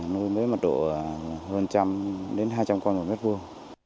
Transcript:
nuôi mấy mật độ hơn trăm đến hai trăm con